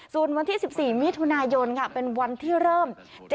ส่วนวันที่๑๔มิถุนายนเป็นวันที่เริ่ม